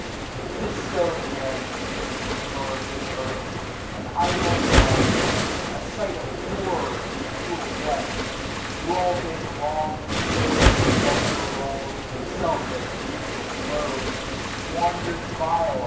'T is so to him. The dreamer of this earth, an idle blank ; A sight of horror to the cruel wretch, 1635 SUMMER. Ill Who all day long in sordid pleasure roll'd. Himself an useless load, has squander'd vile.